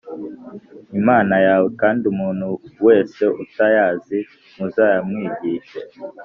Imana yawe kandi umuntu wese utayazi muzayamwigishe